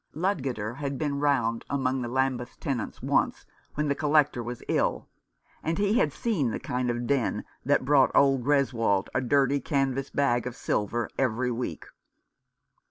Ludgater had been round among the Lambeth tenants once when the Collector was ill, 267 Rough Justice. and he had seen the kind of den that brought old Greswold a dirty canvas bag of silver every week.